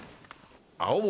青森。